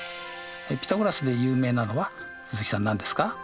ピタゴラスで有名なのは鈴木さん何ですか？